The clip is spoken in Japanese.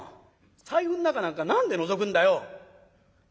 財布の中なんか何でのぞくんだよ」。